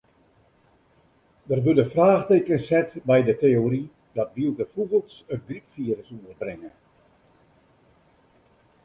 Der wurde fraachtekens set by de teory dat wylde fûgels it grypfirus oerbringe.